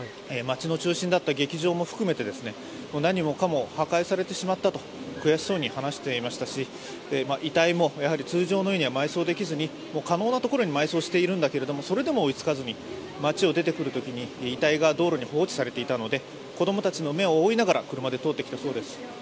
街の中心だった劇場も含めて何もかも破壊されてしまったと悔しそうに話していましたし遺体も通常のようには埋葬できずに可能なところに埋葬しているんだけれどもそれでも追いつかずに街を出てくるときに遺体が道路に放置されていたので子供たちの目を覆いながら車で通ってきたそうです。